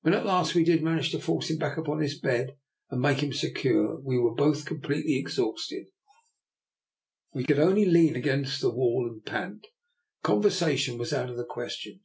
When, at last, we did manage to force him back on to his bed and make him se cure, we were both completely exhausted; we could only lean against the wall and pant; conversation was out of the question.